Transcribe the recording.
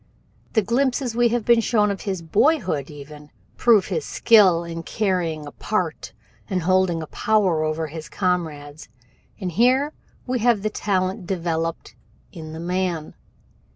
The glimpses we have been shown of his boyhood, even, prove his skill in carrying a part and holding a power over his comrades, and here we have the talent developed in the man.